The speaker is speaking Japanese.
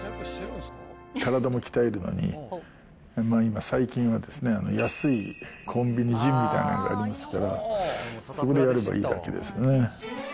体を鍛えるのに今、最近は、安いコンビニジムみたいのがありますから、そこでやればいいだけですね。